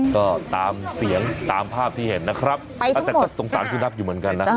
ก็ตามเสียงตามภาพที่เห็นนะครับแต่ก็สงสารสุนัขอยู่เหมือนกันนะ